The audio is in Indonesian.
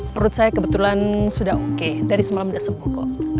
perut saya kebetulan sudah oke dari semalam sudah sembuh kok